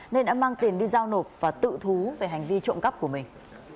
nên đã mang tiền đi giao nộp và tự thú về hành vi trộm cắp của mình